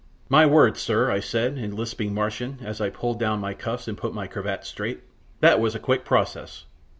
"My word, sir!" I said, in lisping Martian, as I pulled down my cuffs and put my cravat straight, "that was a quick process.